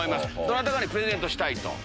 どなたかにプレゼントしたいと。